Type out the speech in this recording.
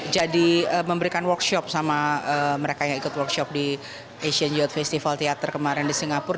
jadi memberikan workshop sama mereka yang ikut workshop di asian youth festival theater kemarin di singapura